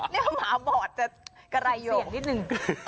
เรียกว่าหมาบอดจะกระไรอยู่อย่างนิดนึง